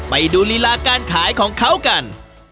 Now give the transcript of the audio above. ไปดูลีลาการขายของเขากัน